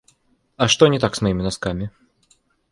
А что не так с моими носками?